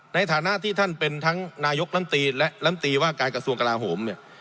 ในฐานะที่ท่านเป็นทั้งนายกลำตีและลำตีว่าการกระทรวงกลาโหมเนี่ย